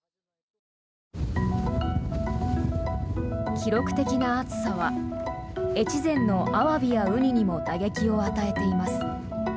記録的な暑さは越前のアワビやウニにも打撃を与えています。